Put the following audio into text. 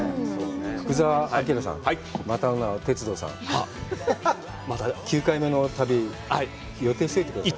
福澤朗さん、またの名を鉄道さん、また９回目の旅、予定しといてください。